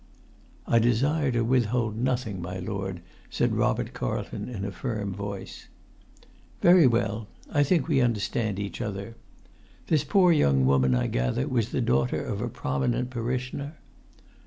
"I desire to withhold nothing, my lord," said Robert Carlton in a firm voice. "Very well. I think we understand each other. This poor young woman, I gather, was the daughter of a prominent parishioner?"